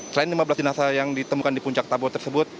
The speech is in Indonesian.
selain lima belas jenazah yang ditemukan di puncak tabo tersebut